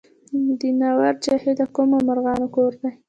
د ناور جهیل د کومو مرغانو کور دی؟